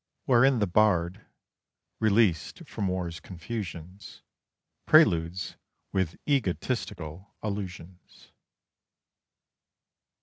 _Wherein the bard released from War's confusions Preludes with egotistical allusions.